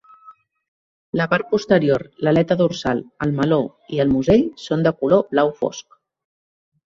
La part posterior, l'aleta dorsal, el meló i el musell són de color blau fosc.